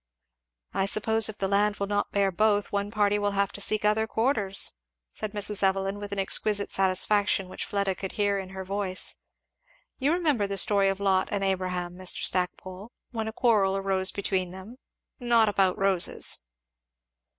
"I suppose if the land will not bear both, one party will have to seek other quarters," said Mrs. Evelyn with an exquisite satisfaction which Fleda could hear in her voice. "You remember the story of Lot and Abraham, Mr. Stackpole, when a quarrel arose between them? not about roses."